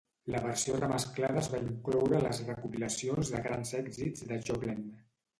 La versió remesclada es va incloure a les recopilacions de grans èxits de Joplin.